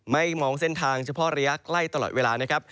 มองเส้นทางเฉพาะระยะใกล้ตลอดเวลานะครับ